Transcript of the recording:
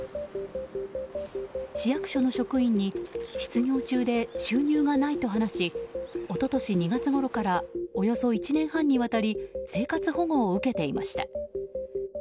市役所の職員に失業中で収入がないと話し一昨年２月ごろからおよそ１年半にわたり生活保護を受けていました。